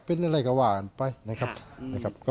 เป็นอะไรก็ว่ากันไปนะครับ